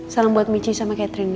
salam buat michi sama catherine ya